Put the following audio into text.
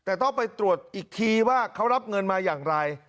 แต่ต้องไปตรวจอีกทีว่าเขารับเงินมาอย่างไร